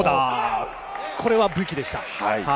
これは武器でした。